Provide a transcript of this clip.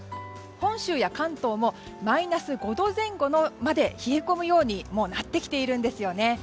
本州や関東もマイナス５度前後まで冷え込むようになってきているんですよね。